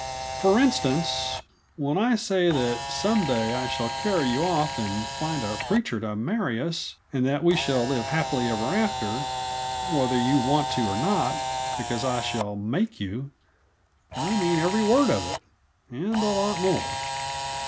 "For instance, when I say that some day I shall carry you off and find a preacher to marry us, and that we shall live happily ever after, whether you want to or not, because I shall make you, I mean every word of it and a lot more."